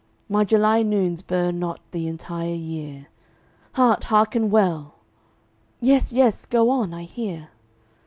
My July noons burn not the entire year. Heart, hearken well!" "Yes, yes; go on; I hear."